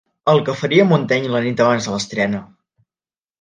El que faria Montaigne la nit abans de l'estrena.